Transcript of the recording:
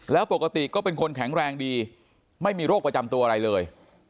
แล้วปกติก็เป็นคนแข็งแรงดีไม่มีโรคประจำตัวอะไรเลย